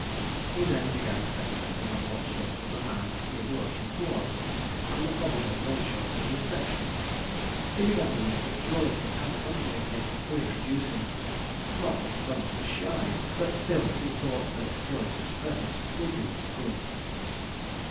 He then began speculating on what sort of a man his lordship was, and the probable nature of his reception. He began to wish that Jawleyford had accompanied him, to introduce him. Not that Sponge was shy, but still he thought that Jawleyford's presence would do him good.